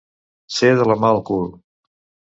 Ser de la mà al cul.